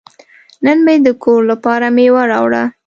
نن مې د کور لپاره میوه راوړه.